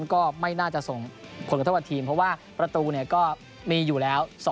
ก็ไม่น่าจะส่งผลกระทบกับทีมเพราะว่าประตูก็มีอยู่แล้ว